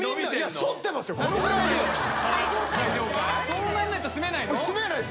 そうなんないと住めない？